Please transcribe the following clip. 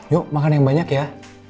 yuk makan yang banyak ya